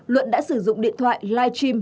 luận đã sử dụng điện thoại live stream